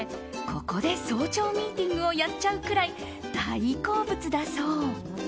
ここで早朝ミーティングをやっちゃうくらい大好物だそう。